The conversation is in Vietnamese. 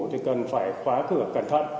thì cần phải khóa cửa cẩn thận